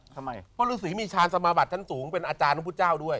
เพราะฤาษีมีชาญสมาบัติทั้งสูงเป็นอาจารย์พระพุทธเจ้าด้วย